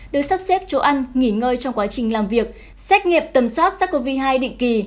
được sắp xếp chỗ ăn nghỉ ngơi trong quá trình làm việc xét nghiệm tầm soát sars cov hai định kỳ